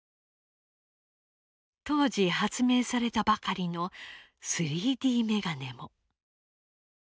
当時発明されたばかりの３Ｄメガネも。